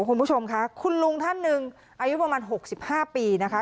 คุณผู้ชมค่ะคุณลุงท่านหนึ่งอายุประมาณ๖๕ปีนะคะ